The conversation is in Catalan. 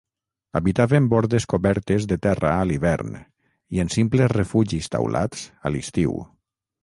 Habitaven bordes cobertes de terra a l'hivern i en simples refugis taulats a l'estiu.